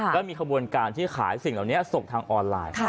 ก็มีขบวนการที่ขายสิ่งเหล่านี้ส่งทางออนไลน์